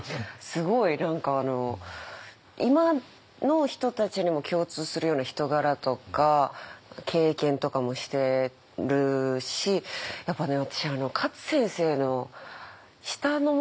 すごい何か今の人たちにも共通するような人柄とか経験とかもしてるしやっぱね